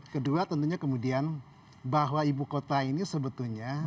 kedua tentunya kemudian bahwa ibu kota ini sebetulnya